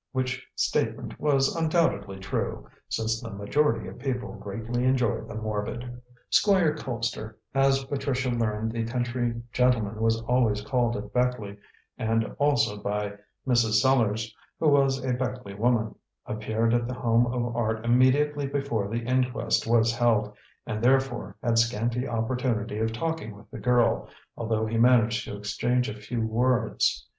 which statement was undoubtedly true, since the majority of people greatly enjoy the morbid. Squire Colpster as Patricia learned the country gentleman was always called at Beckleigh, and also by Mrs. Sellars, who was a Beckleigh woman appeared at The Home of Art immediately before the inquest was held, and, therefore, had scanty opportunity of talking with the girl, although he managed to exchange a few words.